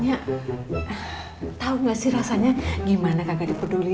nyak tau nggak sih rasanya gimana kagak dipeduliin lagi